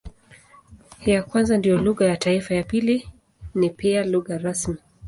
Ya kwanza ndiyo lugha ya taifa, ya pili ni pia lugha rasmi.